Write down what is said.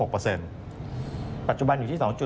ปัจจุบันอยู่ที่๒๗